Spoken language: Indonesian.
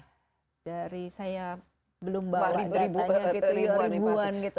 jadi dari saya belum bawa datanya gitu ribuan gitu